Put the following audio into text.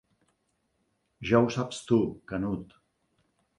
Ja ho saps tu, Canut.